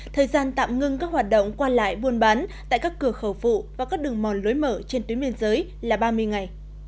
thời gian tạm ngưng các hoạt động qua lại buôn bán tại các cửa khẩu phụ và các đường mòn lối mở trên tuyến biên giới là ba mươi ngày